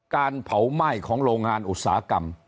การเผาไหม้ของโรงงานอุตสาหกรรม